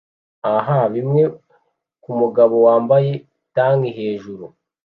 aha bimwe kumugabo wambaye tanki hejuru